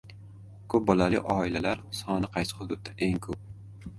Ko‘p bolali oilalar soni qaysi hududda eng ko‘p?